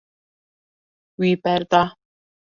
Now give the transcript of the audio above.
Wî berda.